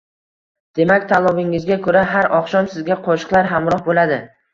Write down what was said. Demak, tanlovingizga koʻra, har oqshom sizga qo‘shiqlar hamroh boʻladi.